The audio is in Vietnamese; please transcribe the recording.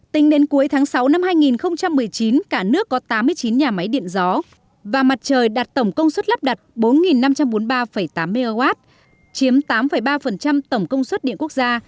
tính đến cuối tháng sáu năm hai nghìn một mươi chín cả nước có tám mươi chín nhà máy điện gió và mặt trời đạt tổng công suất lắp đặt bốn năm trăm bốn mươi ba tám mw chiếm tám ba tổng công suất điện quốc gia